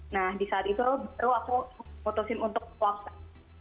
nah di saat itu baru aku memutuskan untuk swapsan